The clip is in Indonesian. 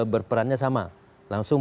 berperan nya sama langsung